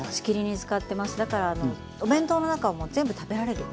だからあのお弁当の中も全部食べられる。